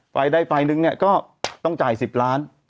ไฟได้ไฟล์นึงเนี่ยก็ต้องจ่าย๑๐ล้าน